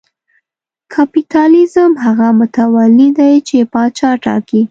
کاپیتالېزم هغه متولي دی چې پاچا ټاکي.